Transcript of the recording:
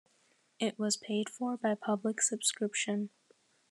It was paid for by public subscription.